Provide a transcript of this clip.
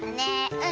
うん。